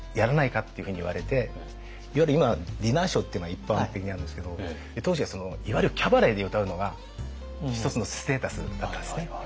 っていうふうに言われていわゆる今ディナーショーって一般的にあるんですけど当時はいわゆるキャバレーで歌うのが一つのステータスだったんですね。